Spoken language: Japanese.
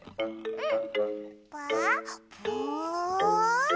うん？